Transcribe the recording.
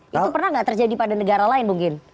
itu pernah nggak terjadi pada negara lain mungkin